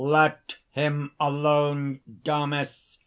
"Let him alone, Damis!